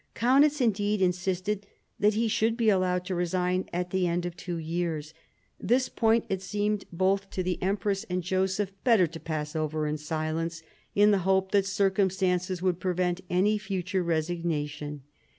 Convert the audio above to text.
Kaunitz indeed insisted that he should be allowed to resign at the end of two years. This point it seemed, both to the empress and Joseph, 1765 70 DOMESTIC AFFAIRS 213 better to pass over in silence, in the hope that circum stances would prevent any future resignation.